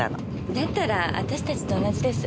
だったら私たちと同じです。